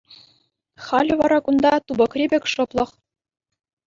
Халӗ вара кунта тупӑкри пек шӑплӑх.